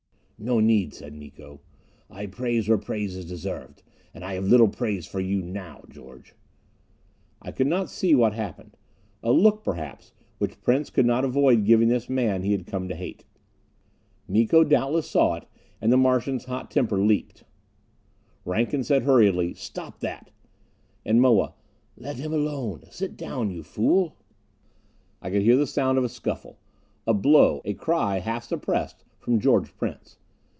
"No need," said Miko. "I praise where praise is deserved. And I have little praise for you now, George!" I could not see what happened. A look, perhaps, which Prince could not avoid giving this man he had come to hate. Miko doubtless saw it, and the Martian's hot anger leaped. Rankin said hurriedly, "Stop that!" And Moa: "Let him alone! Sit down, you fool!" I could hear the sound of a scuffle. A blow a cry, half suppressed, from George Prince.